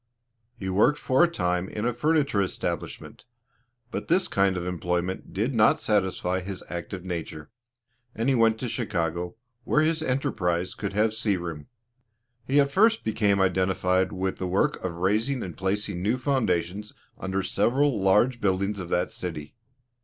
He worked for a time in a furniture establishment, but this kind of employment did not satisfy his active nature, and he went to Chicago, where his enterprise could have sea room. He at first became identified with the work of raising and placing new foundations under several large buildings of that city.